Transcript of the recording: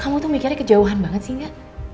kamu tuh mikirnya kejauhan banget sih enggak